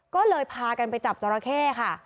ก็เลยพากันไปจับจราเข้ค่ะ